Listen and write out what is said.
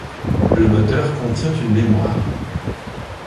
Le moteur contient une mémoire.